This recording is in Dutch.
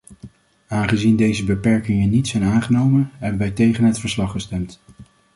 Aangezien deze beperkingen niet zijn aangenomen, hebben wij tegen het verslag gestemd.